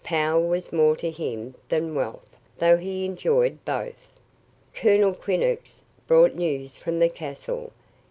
Power was more to him than wealth, though he enjoyed both. Colonel Quinnox brought news from the castle.